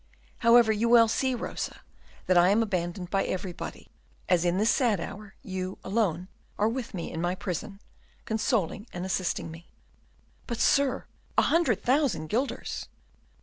However, you see well, Rosa, that I am abandoned by everybody, as in this sad hour you alone are with me in my prison, consoling and assisting me." "But, sir, a hundred thousand guilders!"